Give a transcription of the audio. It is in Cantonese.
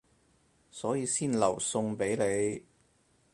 所以先留餸畀你